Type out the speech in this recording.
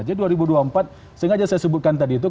jadi dua ribu dua puluh empat sengaja saya sebutkan tadi itu